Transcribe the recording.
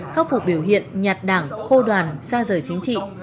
khắc phục biểu hiện nhặt đảng khô đoàn xa rời chính trị